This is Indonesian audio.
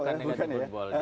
bukan negatif football